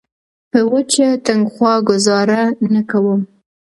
په وچه تنخوا ګوزاره نه کوم.